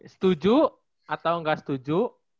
setuju atau gak setuju